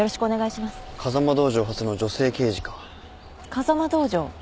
風間道場？